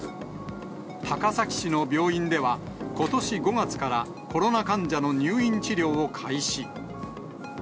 高崎市の病院では、ことし５月からコロナ患者の入院治療を開始。